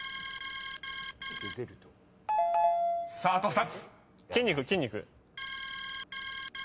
［さああと２つ］